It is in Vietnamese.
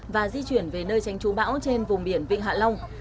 và di chuyển về nơi tránh trú bão trên vùng biển vịnh hạ long